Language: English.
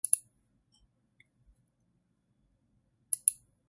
Arne is buried at Saint Paul's, Covent Garden, London.